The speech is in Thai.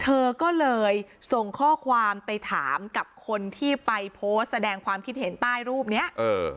เธอก็เลยส่งข้อความไปถามกับคนที่ไปโพสต์แสดงความคิดเห็นใต้รูปเนี้ยเออ